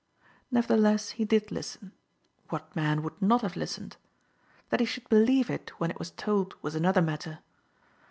Nevertheless, he did listen. What man would not have listened ? That he should believe it when it was told was another matter.